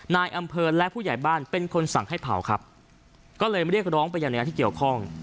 นายอำเภอและผู้ใหญ่บ้านเป็นคนสั่งให้เผาครับก็เลยเรียกร้องไปยังหน่วยงานที่เกี่ยวข้อง